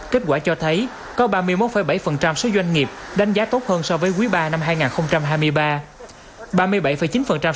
kết quả cho thấy có ba mươi một bảy số doanh nghiệp đánh giá tốt hơn so với quý ba năm hai nghìn hai mươi ba